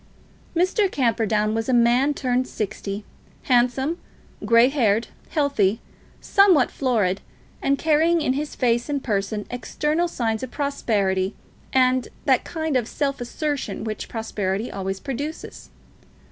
Mr. Camperdown was a man turned sixty, handsome, grey haired, healthy, somewhat florid, and carrying in his face and person external signs of prosperity and that kind of self assertion which prosperity always produces.